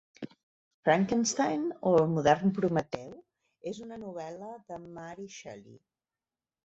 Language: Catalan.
Frankenstein, o el modern Prometeu, és una novel·la de Mary Shelley.